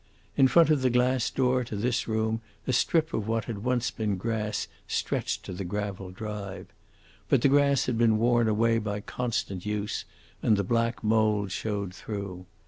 In front of the glass door to this room a strip of what had once been grass stretched to the gravel drive. But the grass had been worn away by constant use, and the black mould showed through.